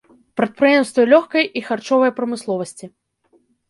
Прадпрыемствы лёгкай і харчовай прамысловасці.